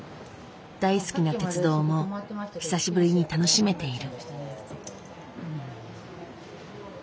大好きな鉄道も久しぶりに楽しめている。